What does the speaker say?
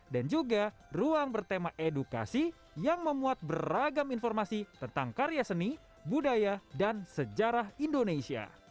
dan juga ruang bertema edukasi yang memuat beragam informasi tentang karya seni budaya dan sejarah indonesia